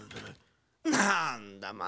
なんだまあ。